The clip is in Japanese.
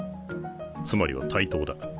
つまりは対等だ。